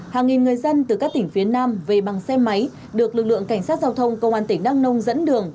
hàng nghìn người dân từ các tỉnh phía nam về bằng xe máy được lực lượng cảnh sát giao thông công an tỉnh đăng nông dẫn đường